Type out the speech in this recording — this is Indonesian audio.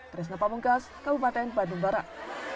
trisna pamungkas kabupaten bendung barat